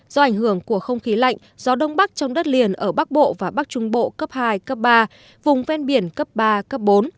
do ảnh hưởng của không khí lạnh gió đông bắc trong đất liền ở bắc bộ và bắc trung bộ cấp hai cấp ba vùng ven biển cấp ba cấp bốn